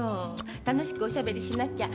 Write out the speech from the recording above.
楽しくおしゃべりしなきゃ。